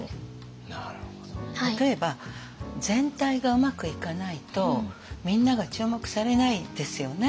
例えば全体がうまくいかないとみんなが注目されないですよね。